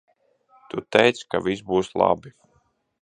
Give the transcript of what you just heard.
Tu teici ka viss būs labi.